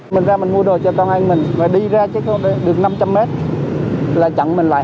mình ra mình mua đồ cho con anh mình mà đi ra chứ không được năm trăm linh m là chặn mình lại